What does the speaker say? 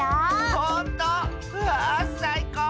ほんと⁉わあさいこう！